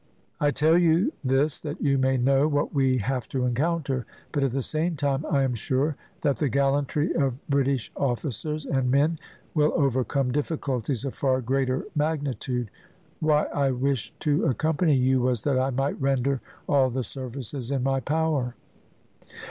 I tell you this that you may know what we have to encounter, but at the same time I am sure that the gallantry of British officers and men will overcome difficulties of far greater magnitude. Why I wished to accompany you was that I might render all the services in my power."